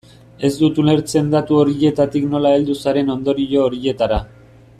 Ez dut ulertzen datu horietatik nola heldu zaren ondorio horietara.